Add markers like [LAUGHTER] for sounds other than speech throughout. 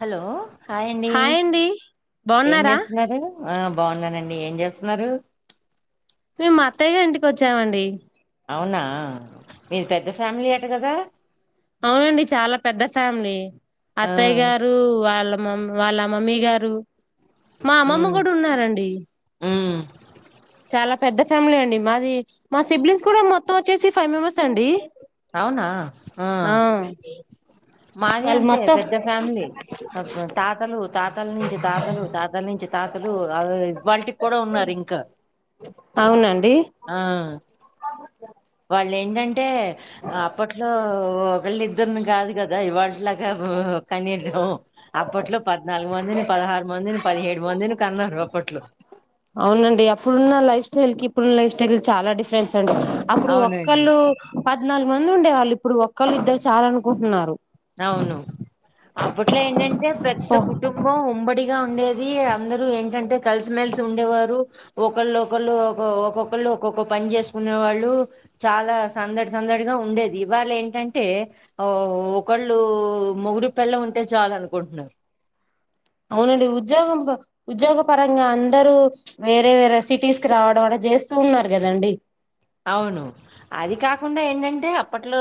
Hello hi అండి ఏం బాగున్నారా చేస్తున్నారు బాగున్నానండి ఏం చేస్తున్నారు మేము మా అత్తయ్య గారి ఇంటికి వచ్చామండి అవునా మిది పెద్ద ఫ్యామిలీ అట కదా అవునండి చాలా పెద్ద ఫ్యామిలీ ఆ అత్తయ్య గారు వాళ్ళ మ వాళ్ళ మమ్మీ గారు మా అమ్మమ్మ ఉమ్ కూడా ఉన్నారంండి ఉమ్ చాలా పెద్ద ఫ్యామిలీ అండి మాది మా సిబ్లింగ్స్ కూడా మొత్తం వచ్చేసి ఫైవ్ మెంబెర్స్ అండి అవునా ఆ మాది వాళ్ళు అంతే మొత్తం పెద్ద ఫ్యామిలీ తాతలు తాతల నుంచి తాతలు తాతల నుంచి తాతలు ఇ వాళటికి కూడా ఉన్నారు ఇంకా అవునండి ఆ అ వాళ్ళు ఏంటంటే అప్పట్లో ఒకళ్ళు ఇద్దరిని కాదు కదా ఇవాట్లాగా కనిం అప్పట్లో పద్నాలుగు మందిని పదహారు మందిని పదిహేడు మందిని కన్నారు అప్పట్లో అవునండి అప్పుడున్నలైఫ్టైల్ కి ఇప్పుడున్న లైఫ్ స్టైల్ చాల డిఫరెన్స్ ండి అప్పుడు అవునండి ఒక్కళ్ళు పద్నాలుగు మంది ఉండేవాళ్ళు ఇప్పుడు ఒక్కళ్ళు ఇద్దరు చాల అనుకుంటున్నారు అవును. అప్పట్లో ఏంటం పెద్ద కుటుంబం ఉమ్మడి గా ఉండేది అందరుూ ఏంటంటే కలిసిమెలిసి ఉండేవారు ఒకళ్ళు ఒకళ్ళు ఒక ఒక్కొక్కళ్ళ ఒొక్క పని చేసుకునే వాళ్ళు చాలా సందడి సందడిగా ఉండేది ఇవాళ ఏంటంటే ఒకళ్ళు మొగుడు పళ్లం ఉంటే చాల అనుకుంటున్నారు అవునండి ఉద్యోగం ఉద్యోగ పరంగా అందరూ వేరే వేరే సిటీస్ కి రావడం అలా చేస్తూ ఉన్నారు కదండి అవును అది కాకుండా ఏంటంటే అప్పట్లో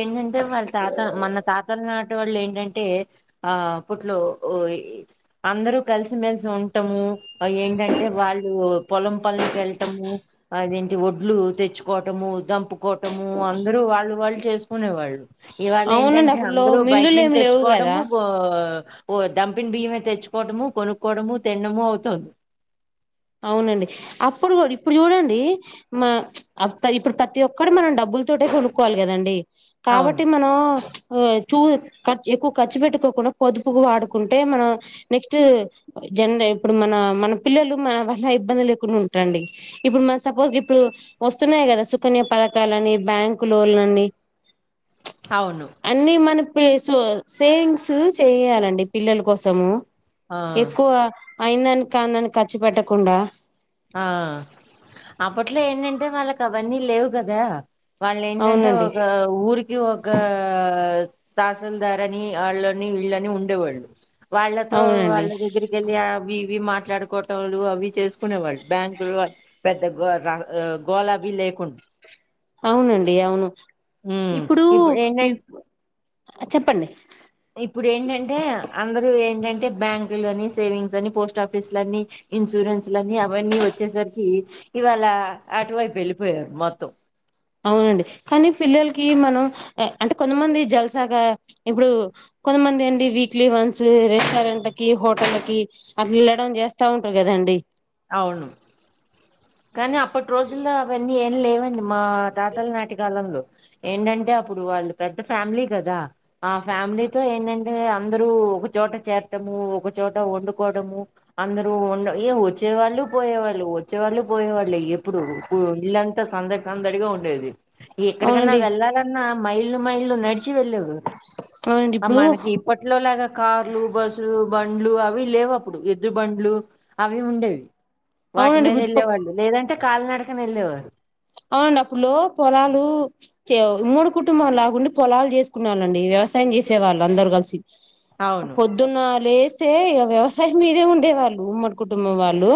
ఏంటంటే వాళ్ళ తాత మన తాతల నాటి వాళ్ళు ఏంటంటే ఆ అప్పట్లో అందరూ కలిసిమెెలిసి ఉంటము ఏంటంటే వాళ్ళు పొలం పనుకి వెళ్ళటము అదేంటి ఒడ్లు తెచ్చుకోవటము దంపుకోవటము అందరుూ వాళ్ళు వాళ్ళు చేసుకునే వాళ్ళు ఇవాళ అవునండి ఏంటంటే అప్పుట్లో అందరుూ బయట మిల్లులు ఏమి నుంచి లేవు కదా తెచ్చుకోవడము బో ఓ దడంంపిిన బియ్యమతే తెచ్చుకోవడము కొనుక్కోవడము తిినము అవుతుంది అవునండి అప్పుడు కూడా ఇప్పుడు చూడండి మా ఇప్పుడు ప్రతి ఒక్కటి మనం డబ్బుల తోటే కొనుక్కోవాలి కదండి అవును. కాబట్టి మనం చ్ చూ ఎక్కువ ఖర్చు పెట్టుకోకుండా పొదుపు వాడుకుంటే మనం నెక్స్ట్ జన ఇప్పుడు మన మన పిల్లలు మన వాల్ల ఇబ్బంది లేకుండా ఉంటాండి ఇప్పుడు మన సపోజ్ ఇప్పుడు వస్తున్నాయి కదా సుకన్య పథకలు అని బ్యాంకు లోన్ల అని అవును. అన్నీ మన మీ స సేవింగ్స్ చెయయాలండి పిల్లల కోసము ఆ! ఎక్కువ అయిందాని కాందన్ కచ్చి పెట్ కుండా ఆ అప్పట్లో ఏంటంటే వాళ్ళకు అవన్నీ లేవు కదా వాళ్ళ ఏంటంటే అవునండి ఒక ఊరికి ఒక ఆ తహసల్దార్ అని వాళ్ళని ఇళ్ళని ఉండేవాళ్ళు వాళ్ళతో అవునండి వాళ్ళ దగ్గరికి వెళ్ళి ఆవి ఇవి మాట్లా ట్లాడుకోవటళ్ అవి చేసు కునే వాళ్ళు బ్యాంగల్ పెద్ద గోలాబీ లేకుండా అవునండి అవును ఉమ్ ఇప్పుడు ఈ ఏంటంటే చెప్పండి యితే బ్యాంకు లోని సేవింగ్స్ అని పోస్ట్ ఆఫీస్ అని ఇన్సూరెన్స్ లని అవన్నీ వచ్చేసరికి ఇవళ ఆటువైపు ఏళ్లు పేరు మత్తం అవునండి కానీ పిల్లలకి మనం అంటే కొంతమంది జలసాగా ఇప్పుడు కొంతమంది అండి వీక్లీ వన్స్ రెస్టారెంట్ల కి హోటల్కి అట్లా వెళ్ళడం చేస్తా ఉంటారు కదండి అవును కానీ అప్పటి రోజుల్లో అవన్నీ ఏం లేవని మా తాతల నాటి కాలంలో ఏంటంటే అప్పుడు వాళ్ళు పెద్ద ఫ్యామిలీ కదా ఆ ఫ్యామిలీతో ఏంటంటే అందరూ ఒకచోట చేరటము ఒకచోట వండుకోవడము అందరూ వండ ఏ వచ్చు వచ్చే వాళ్ళు పోయే వాళ్ళు వచ్చే వాళ్ళు పోయేళ్ళు లే ఎప్పుడు ఇల్లాంటి ట్లో సందడి సందడిగా ఉండేది ఎక్కడికన్నా అవునండి వెళ్ళాలన్నా మైల్ మా ఇల్లు నడి చీ వెళ్ళేరు అవునండి ఇప్పుడు మనకి ఇప్పటి లో లాగ కార్లు బస్సులు బండ్లు అవి లేవు అప్పుడు ఎద్దులు బండ్లు అవి ఉండేవి వాటి అవునండి మీద ఇప్పుడు వెళ్ళేవాళ్ళు లేదంటే కాలీనడకన ఎల్లే వారు అవునండి అప్పుడులో పొలాలు చే మూడు కుటుంబాలు లాగ ఉండి పొలాలు చేసుకునే వెళ్ళండి వ్యవసాయం చేసే వాళ్ళు అందరు కలిసి అవును పొద్దున్న లే తే వ్యవసాయం మీదే ఉండేవాళ్ళు ఉమ్మడి కుటుంబం వాళ్ళు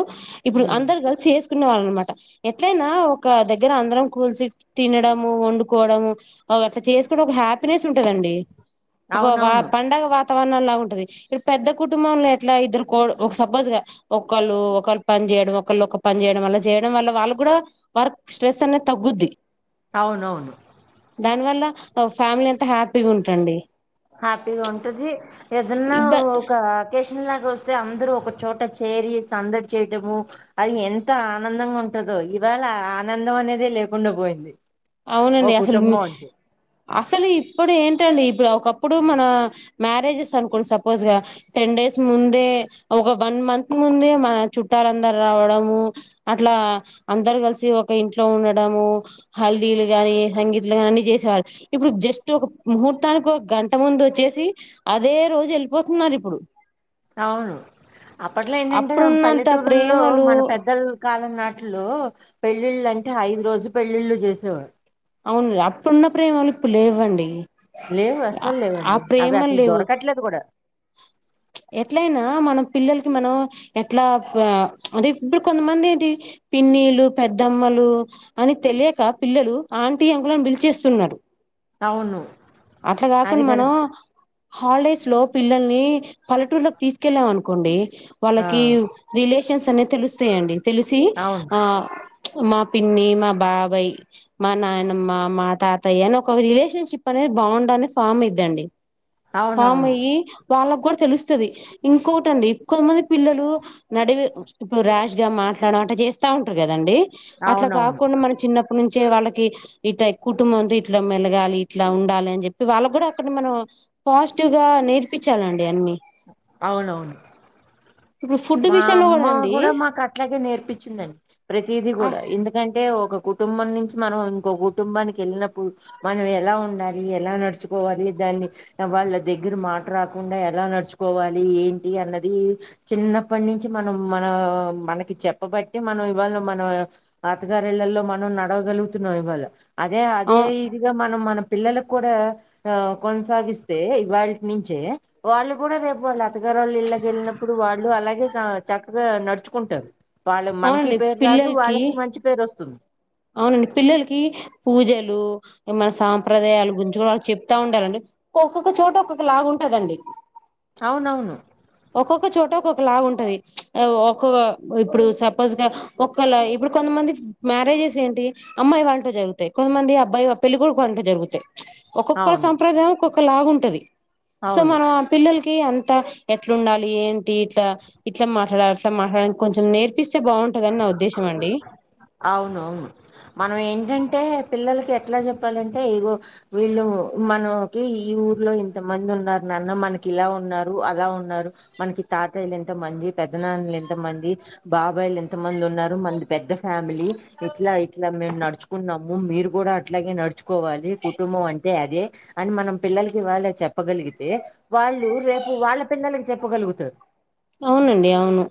ఇప్పుడు హ్మ్. అందరూ గలిసి [UNINTELLIGIBLE] వాళ్ళ అనమాట ఎట్లయినా ఒక దగ్గర అందరం కూల్చ తినడము వండుకోవడము అట్లా చేసుకొని ఒక హ్యాపీనెస్ ఉంటదండి ఒక వా అవునవును పండగ వా వాతావరణంలా ఉంటది ఇప్పు పెద్ద కుటుంబంలో ఎట్లా ఇద్దరు ఒక సపోజ్ గా ఒకళ్ళు ఒకళ్రు పని చేయడం ఒకళ్ళు ఒక పని చేయడం వల్ల చేయడం వల్ల వాళ్ళు కూడా వర్క్ స్ట్రెస్ అనే తగ్గుద్ది అవునవును దాని వల్ల ఫ్యామిలీ అంతా హ్యాపీగా ఉంటడి హ్యాపీగా ఉంటుంది ఏదన్నా ఇబ్బ ఒక మన్ లాగా వస్తే అందరుూ ఒక చోట చేరి సందడి చేయటము అది ఎంత ఆనందంగా ఉంటదో ఇవాళ ఆనందం అనేదే లేకుండా పోయింది ఓ అవునండి అసలు కుటుంబం అంటే అసలు ఇప్పుడు ఏంటండి ఇప్పుడు ఒక ఒకప్పుడు మన మ్యారేజెస్ అనుకోండి సపోజ్గా టెన్ డేస్ ముందే ఒక వన్ మంత్ ముందే మన చుట్టాలందరు రావడము అట్లా అందరు కలిసి ఒక ఇంట్లో ఉండడము హల్దీలు గాని సంగీతలు గాని అన్ని చేసేవాళ్ళు ఇప్పుడు జస్టు ఒక ముహూర్తానికో గంట ముందు వచ్చేసి అదే రోజు వెళ్ళిపోతున్నారు ఇప్పుడు అవును అప్పట్లో ఏంటంటే అప్పుడున్నంత పల్లెటూరులో ప్రేమలు మన పెద్దల కాలం నాటిలో పెళ్లిళ్ళు అంటే ఐదు రోజు పెళ్ళిళ్ళు చేసేవారు అవును అప్పుడున్న ప్రేమలు ఇప్పుడు లేవండి లేవు అసలు ఆ లేవండి అవి ప్రేమలు అసలు లేవు దొరకట్లేదు కూడా ఎట్లయినా మనం పిల్లలకి మనం ఎట్లా అంటే ఇప్పుడు కొంతమంది ఏంటి పిన్నిలు పెద్దమ్మలు అని తెలియక పిల్లలు ఆంటీ అంకుల్ అని పిలిచేస్తున్నారు అవును అది అట్లాకాకుండా కరెక్ట్ మనం హాలిడేస్ లో పిల్లల్ని పల్లెటూరులోకి తీసుకెళ్ళాం అనుకోండి ఆ వాళ్ళకి రిలేషన్ న్స్ అనేది తెలుస్తాయండి తెలిసి అవును ఆ మా పిన్ని మా బాబాయ్ మా నానమ్మ మా తాతయ్య అని ఒక రిలేషన్షిప్ అనేది బాండ్ ఫామ్ ఇద్దండి అవునవును వాళ్ళకి కూడా తెలుస్తది ఇంకోటి అండి ఎక్కువ కొంతమంది పిల్లలు నడివి ఇప్పుడు ర్యాష్ గా మాట్లాడడం అనేవి చేస్తా ఉంటారు కదండి అట్లా అవునవును కాకుండా మనం చిన్న అక్కడ నుంచే వాళ్ళకి ఇట్లా కుటుంబంతో ఇట్లా మెలగాలి ఇట్లా ఉండాలి అని చెప్పి వాళ్ళ కూడా అక్కడ మనం పాజిటివ్ గా నే ఇప్పించాలండి అన్నీ అవునవును ఇప్పుడు ఫుడ్ మా విషయంలో అమ్మ అండి కూడా మాకు అట్లాగే నేర్పించిందండి ప్రతిది ఆ కూడా ఎందుకంటే ఒక కుటుంబం నుంచి మనం ఇంకో కుటుంబానికి వెళ్ళినప్పుడు మనం ఎలా ఉండాలి ఎలా నడుచుకోవాలి దాన్ని వాళ్ళ దగ్గర మాట రాకుండా ఎలా నడుచుకోవాలి ఏంటి అన్నది చిన్న అప్పటి నుంచి మనం మన మనకి చెప్పబట్టి మనం ఇవాళ మన అత్త గారి ఇళ్లల్లో మనం నడవగలుగుతున్నాం ఇవాళ అదే అదే ఇదిగా మనం మనం పిల్లలకు కూడా ఆ కొనసాగిస్తే ఇవాల్టి నుంచే వాళ్ళు కూడా రేపు వాళ్ళు అతగారు వాళ్ళు ఇళ్ళకి వెళ్ళినప్పుడు వాళ్ళు అలాగే ఏ చక్కగా నడుచుకుంటారు వాళ్ళు మనకి అవునండి పేరు రాదు పిల్లలకి వాళ్ళకి మంచి పేరు వస్తుంది అవునండి పిల్లలకి పూజలు మన సాంప్రదాయాలు గురించి కూడా వాళ్ళ చెప్తా ఉండాలండి ఒ ఒక్కొక్క చోట ఒక్కొక్క లాగా ఉంటదండి అవునవును ఒక్కొక్క చోట ఒక్కొక్క లాగా ఉంటది ఒక్కొ ఇప్పుడు సపోజ్ గా ఒ ఇప్పుడు కొంతమంది మ్యారేజెస్ ఏంటి అమ్మాయి వాళ్ళ ఇంట్లో జరుగుతాయి కొంతమంది అబ్బయి పెళ్ళికొడుకు వాళ్ళ ఇంట్లో జరుగుతాయి ఒక్కొక్క అవును సంప్రదాయం ఒక ఒక లాగు ఉంటది సో అవును మనం ఆ పిల్లలకి అం ఇ ఎట్లుండాలి ఏంటి ఇట్లా ఇట్లా మాట్లాడ మాట్లాడానికి కొంచెం నేర్పిస్త చే బావుండ్ చదని నా ఉద్దేశం అండి అవునువును మనం ఏంటంటే పిల్లలకి ఎట్లా చెప్పాలంటే ఇగో వీళ్ళు మనకి ఈ ఊర్లో ఇంత మంది ఉన్నారు నాన్న మనకి ఇలా ఉన్నారు అలా ఉన్నారు మనకి తాతయ్యలు ఎంతమంది పెద్దనాన్నలు ఎంతమంది బాబాయిలు ఎంతమంది ఉన్నారు మనంది పెద్ద మళ్ళిఎట్లా ఇట్లా మేమ్ నడుత్ నడుచుకున్నాము మీరు కూడా అట్లాగే నడుచుకోవాలి కుటుంబం అంటే అదే అని మనం పిల్లలకి వాళ్ళ చెప్పగలిగితే వాళ్ళు రేపు వాళ్ళ పిల్లలకి చెప్పగలుగుతారు అవునండి అవును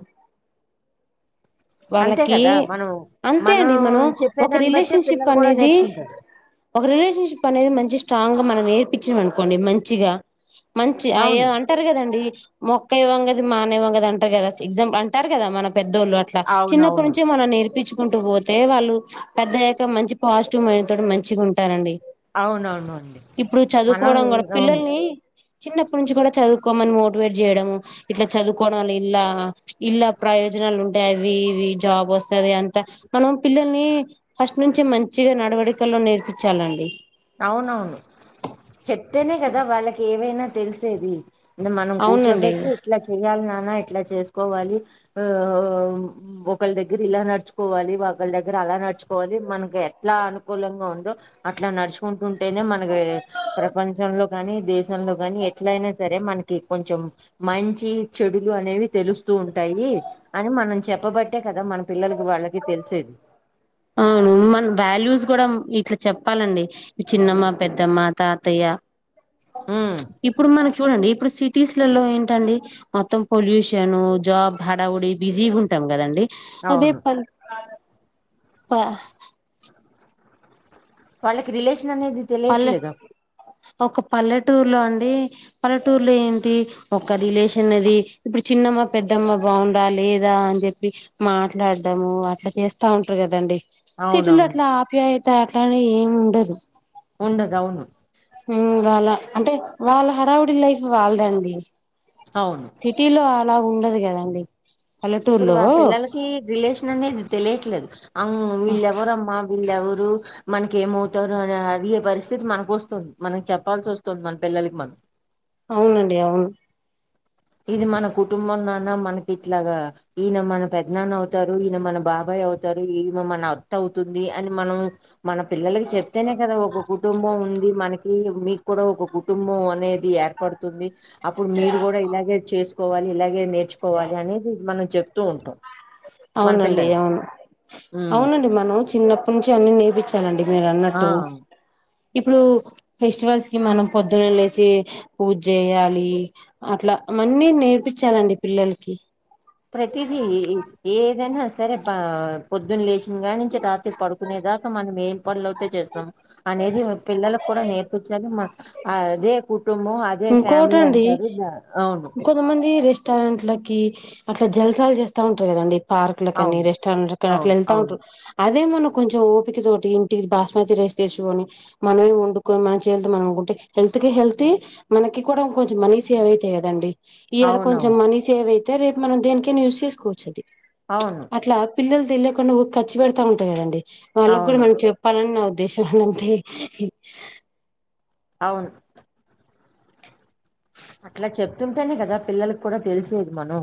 అంతే వాళ్ళకి కదా మనం అంతే అండి మనం ఒక చెప్పేదాన్ని బట్టే రిలేషన్షిప్ పిల్లలు కూడా అనేది నేర్చుకుంటారు ఒక రిలేషన్షిప్ అనేది మంచి స్ట్రాంగ్ గా మ నేర్పించిన అనుకోండి మంచిగా మంచి అ అవును. ఎంఅంటారు కదండి మొక్క ఇవ్వంగ అది మాన ఇవ్వంగ అది అంటారు కదా ఎగ్జాల్ అంటారు కదా మన పెద్దోళ్ళు అ చిన్నప్పటి అవునవును. నుంచి మనం నేర్పించు తీకుంటూ పోతే వాళ్ళు పెద్ద యొక్క మంచి పాజిటివ్ మైండ్ తో మంచిగా ఉంటారండి అవునవును అండి ఇప్పుడు మనం చదువుకోవడం కూడా అవును పిల్లల్ని చిన్నప్పటి నుంచి కూడా చదువుకోమని మోటివేట్ చేయడము ఇట్లా చదువుకోవడం వల్ల ఇల్లా ఇల్లా ప్రయోజనాలు ఉంటాయి ట్యావి అ ఇవి జాబ్ వస్తుంది అంత మనం పిల్లల్ని ఫస్ట్ నుంచి మంచిగా నడబడి సల్లో నేర్పించాలండి అవునవును చెప్తేనే కదా వాళ్ళకి ఏవైనా తెలిసేది అంటే మనం అవునండి కూర్చోపెట్టి ఇట్లా చెయ్యాలి గా ఆ ఇట్లా చేసుకోవాలి ఆ ఓ ఒకళ దగ్గర ఇలా నడుచుకోవాలి వాళ దగ్గర అలా నడుచుకోవాలి మనకి ఎట్లా అనుకూలంగా ఉందో అట్లా నడుచూ ఫంట్ ట్ అంటేనే మనకి ప్రపంచంలో కానీ దేశంలో కాగాని ఎట్ల అయినా సరే మనకి కొంచెం మంచి చెడులు అనేవి తెలుస్తూ ఉంటాయి అని మనం చెప్పబట్టే కదా మన పిల్లలకి వాళ్ళకి తెలిసేది ఆ అ మన వాల్యూస్ కూడా ఇట్లా చెప్పాలండి చిన్నమ్మ పెద్దమ్మ తాతయ్య హ్మ్. ఇప్పుడు మనం చూడండి ఇప్పుడు సిటీస్లలో ఏంటండి మొత్తం పొల్యూషన్ జాబ్ హడావుడి బిజీగా ఉంటాం కదండి అదే అవును ప పహ వాళ్ళకి రిలేషన్ కానీ ఇది పల్లె తెలియట్లేదు ఒక పల్లెటూరులో అండి పల్లెటూరులో ఏంటి ఒక రిలేషన్ అది ఇప్పుడు చిన్నమ్మ పెద్దమ్మ బావుండాలి లేదా అని చెప్పి మాట్లాడడాము అట్లా చేస్తా ఉంటారు కదండి సిటిలో అవునవును అట్లా ఆప్యాయత శాటర్డే ఎం ఉండదు ఉండదు అవును ఉమ్ వాళ్ళ అంటే వాళ్ళ హరావుడి లైఫ్ వాళ్ళదండి అవును సిటీలో అలా ఉండదు కదండి ఇప్పుడు పల్లెటూరులో మాన పిల్లలకి రిలేషన్ అనేది తెలియట్లేదు అమ్ వీళ్ళెవరమ్మా వీళ్ళ ఎవరు మనకి ఏమవుతారు అని అడిగే పరిస్థితి మనకు వస్తుంది మనకి చెప్పాల్సి వస్తుంది మన పిల్లలకి మనం అవునండి అవును ఇది మన కుటుంబం నాన్న మనకి ఇట్లాగా ఈయన మన పెద్దనాన్న అవుతారు ఈయన మన బాబాయ్ అవుతారు ఈమె మన అత్త అవుతుంది అని మనం మన పిల్లలకి చెప్తేనే కదా ఒక కుటుంబం ఉంది మనకి మీకు కూడా ఒక కుటుంబం అనేది ఏర్పడుతుంది అప్పుడు మీరు కూడా ఇలాగే చేసుకోవాలి ఇలాగే నేర్పి నేర్చుకోవాలి అనేది మనం చెప్తూ ఉంటాం మన అవునండి పిల్లలకి అవును ఉమ్. అవునండి మనం చిన్నప్పటి నుంచి అన్ని నేర్పి ఇచ్చానండి మీరు అన్నట్టు ఆ ఇప్పుడు ఫెస్టివల్స్ కి మనం పొద్దున్న లేసి పూజ చేయాలి అట్లావన్నీ నేర్పించాలండి పిల్లలకి ప్రతిదీ ఏదైనా సరే పా పొద్దున్న లేచి ఇంగానించి రాత్రి పడుకునేదాకా మనం ఏం పనులు అవుతే చేస్తాం అనేది మీ పిల్లలకు కూడా నేర్పించాలి మనం అ అదే కు ఇంకోకటి అండి అవును ఇంకొంతమంది రెస్టారెంట్లకి అట్లా జల్సాలు చేస్తా ఉంటారు కదండి పార్క్ ల కాని అవును రెస్టారెంట్ల కానీ అట్లా అవును వెళ్తా అవును ఉంటారు అ అదే మనం కొంచెం ఓపిక తోటి ఇంటి బాస్మతి రైస్ తెసుకొని మనమే వండుకొని మన చేతుల్తో మనం ఉంటే హెల్త్ కి హెల్త్ మనకి కూడా ఇంకొంచెం మనీ సేవ్ అవుతాయి కదండి ఈ నెల కొంచెం అవునవును మనీ సేవ్ అయితు అయితే రేపు మనం దేనికైనా యూస్ చేసుకోవచ్చు అది అవును అట్లా పిల్లలు తెలియకుండా ఉక్ ఖర్చు పెడతా ఉంటది కదండి వాళ్ళకి కూడా అవును మనం చెప్పాలని నా ఉదే దేశం అన్నంతే ఇన్ అవును అట్లా చెప్తుంటేనే కదా పిల్లలకి కూడా తెలిసేది మనం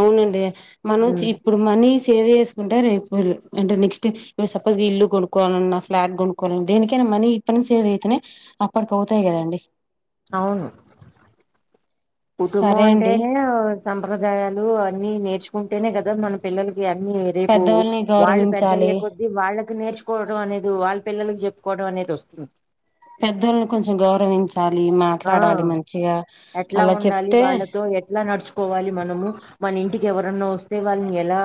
అవునండీ మనం చి ఉమ్, ఇప్పుడు మనీ సేవ్ చేసు కుంటే రేపు అంటే నెక్స్ట్ ఇప్పుడు సపోజ్ ఇల్లు కొనుక్కోవాలన్న, ఫ్లాట్ కొనుక్కోవాల దేనికైనా మనీ ఇప్పట్నుండి సేవ్ అయితేనే అప్పటికి అవుతాయి కదా అండి అవును. కుటుంబం సరే అండి అంటేనే సంప్రదాయాలు అన్ని నేర్చుకుంటేనే కదా మన పిల్లలకి అన్ని రేపు పెద్దవాళ్ళని వాళ్ళు గౌరవించాలి పెద్దయ్యే కొద్దీ వాళ్ళకి నేర్చుకోవడం అనేది వాళ్ళ పిల్లల చెప్పుకోవడం అనేది వస్తుంది పెద్దల్ని కొంచెం గౌరవిం చాలి ఆ మాట్లాడాలి మంచిగా అలా చెప్తే కోవాలి మనము మన ఇంటికి ఎవరన్నా వస్తే, వాళ్ళని ఎలా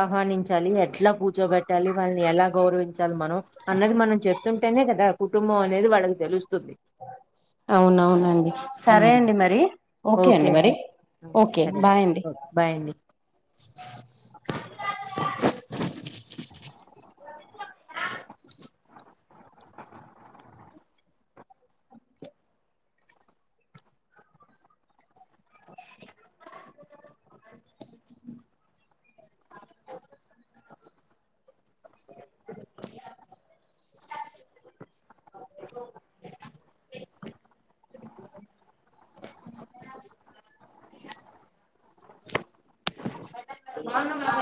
ఆహ్వానించాలి, ఎట్లా కూర్చో పెట్టాలి, వాళ్ళని ఎలా గౌరవిం చాలి మనం అన్నది మనం చె ఉంటేనే కదా కుటుంబం అనేది వాళ్ళ తెలుస్తుంది అవునవునండి. సరే ఉమ్, అండి మరీ, ఓకే అండి మరి ఆ, ఓకే సరే బాయ్ అండి ఓకే, బాయ్ అండి [UNINTELLIGIBLE] [UNINTELLIGIBLE] బావున్నారా